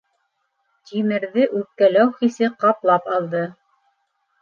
Тимерҙе үпкәләү хисе ҡаплап алды.